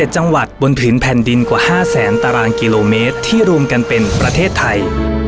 ๗จังหวัดบนผืนแผ่นดินกว่า๕แสนตารางกิโลเมตรที่รวมกันเป็นประเทศไทย